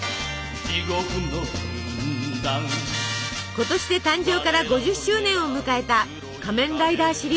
今年で誕生から５０周年を迎えた「仮面ライダーシリーズ」。